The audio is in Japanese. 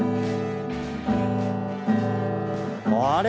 あれ？